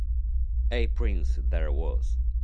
A Prince There Was